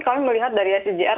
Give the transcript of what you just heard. kami melihat dari scgr